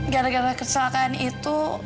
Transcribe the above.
gara gara kesalahan itu